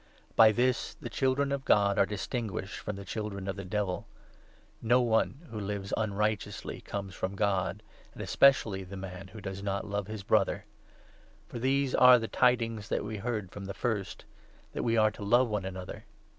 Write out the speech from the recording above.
By this the Children of God are dis tinguished from the Children of the Devil — No one who lives unrighteously comes from God, and especially the man who does not love his Brother. For these are the Tidings that we heard from the first — that we are to love one another.